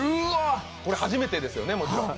これ初めてですよね、もちろん。